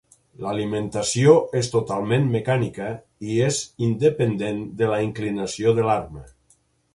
L'alimentació és totalment mecànica i és independent de la inclinació de l'arma.